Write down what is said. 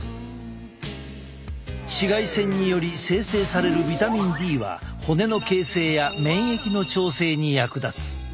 紫外線により生成されるビタミンＤは骨の形成や免疫の調整に役立つ。